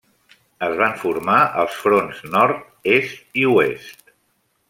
Es van formar els fronts nord, est i oest.